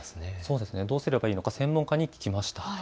どうすればいいのか専門家に聞きました。